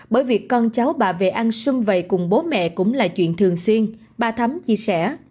bởi việc con cháu bà về ăn xung vầy cùng bố mẹ cũng là chuyện thường xuyên bà thấm chia sẻ